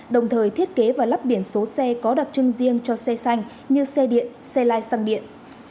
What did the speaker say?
đồng thời thiết kế và lắp biển số xe có đặc trưng riêng cho xe xanh như xe điện xe lai xăng điện